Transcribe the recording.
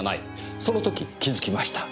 その時気づきました。